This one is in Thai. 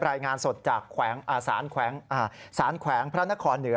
รายงานสดจากสารแขวงพระนครเหนือ